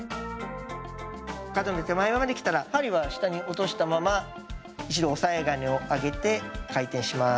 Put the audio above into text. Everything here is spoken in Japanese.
角の手前まで来たら針は下に落としたまま一度押さえ金を上げて回転します。